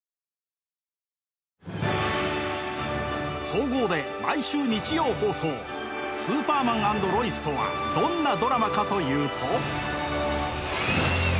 総合で毎週日曜放送「スーパーマン＆ロイス」とはどんなドラマかというと。